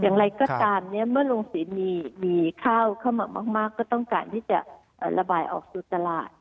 อย่างไรก็ตามเนี่ยเมื่อลุงศรีมีข้าวเข้ามามากก็ต้องการที่จะระบายออกสู่ตลาด